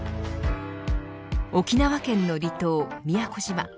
沖縄県の離島、宮古島。